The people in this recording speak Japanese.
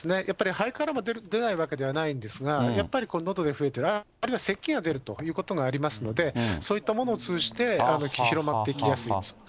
やっぱり肺からも出ないわけではないんですが、やっぱりのどで増えてる、あるいはせきが出るということがありますので、そういったものを通じて広まっていきやすいです。